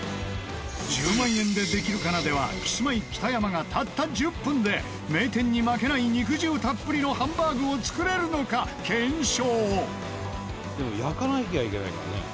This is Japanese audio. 『１０万円でできるかな』ではキスマイ北山がたった１０分で名店に負けない肉汁たっぷりのハンバーグを作れるのか検証